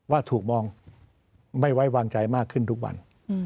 ว่าถูกมองไม่ไว้วางใจมากขึ้นทุกวัน